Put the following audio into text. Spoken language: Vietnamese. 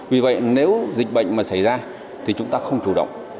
vì vậy nếu dịch bệnh mà xảy ra thì chúng ta không chủ động